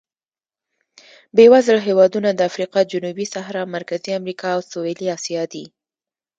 بېوزله هېوادونه د افریقا جنوبي صحرا، مرکزي امریکا او سوېلي اسیا دي.